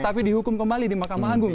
tapi dihukum kembali di mahkamah agung